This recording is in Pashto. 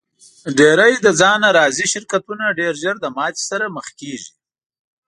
ډېری له ځانه راضي شرکتونه ډېر ژر له ماتې سره مخ کیږي.